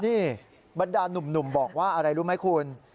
นี่บรรดานุ่มบอกว่าอะไรรู้ไหมคุณ